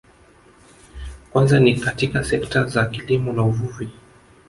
Kwanza ni katika sekta za kilimo na uvuvi